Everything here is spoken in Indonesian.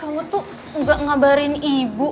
kamu tuh gak ngabarin ibu